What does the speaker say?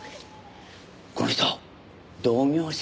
この人同業者。